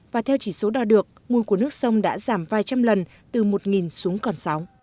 và theo chỉ số đo được mùi của nước sông đã giảm vài trăm lần từ một xuống còn sáu